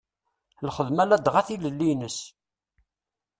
Lxedma ladɣa tilelli-ines.